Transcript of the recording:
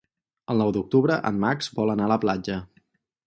El nou d'octubre en Max vol anar a la platja.